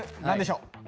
何でしょう？